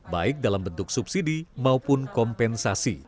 baik dalam bentuk subsidi maupun kompensasi